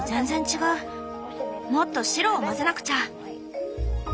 もっと白を混ぜなくちゃ。